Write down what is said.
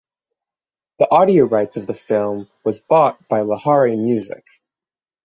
The audio rights of the film was bought by Lahari Music.